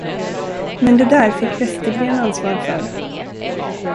Men det där fick Vestergren ansvara för.